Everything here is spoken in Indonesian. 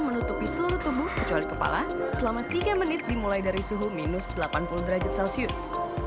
menutupi seluruh tubuh kecuali kepala selama tiga menit dimulai dari suhu minus delapan puluh derajat celcius